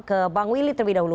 ke bang willy terlebih dahulu